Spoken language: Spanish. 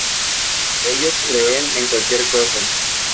Ellos creen en cualquier cosa".